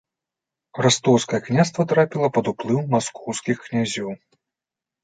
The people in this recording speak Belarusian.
Растоўскае княства трапіла пад уплыў маскоўскіх князёў.